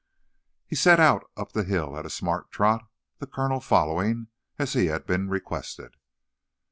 He set out up the hill at a smart trot, the colonel following, as he had been requested.